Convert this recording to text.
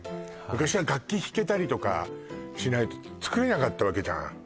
昔は楽器弾けたりとかしないと作れなかったわけじゃん